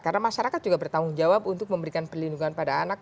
karena masyarakat juga bertanggung jawab untuk memberikan perlindungan pada anak